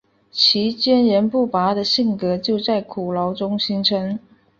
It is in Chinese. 其坚忍不拔的性格就在苦牢中形成。